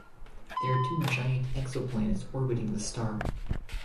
There are two giant exoplanets orbiting the star.